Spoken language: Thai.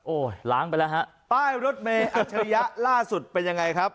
โอ้โหล้างไปแล้วฮะป้ายรถเมย์อัจฉริยะล่าสุดเป็นยังไงครับ